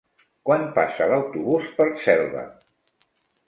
Quan passa l'autobús per Selva?